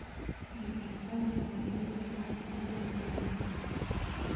د افغانستان جغرافیه کې طلا ستر اهمیت لري.